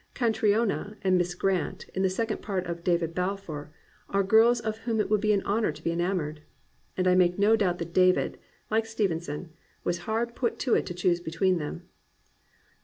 Catriona and Miss Grant, in the second part of David Balfour, are girls of whom it would be an honour to be enamoured; and I make no doubt that David, (like Stevenson) was hard put to it to choose between them.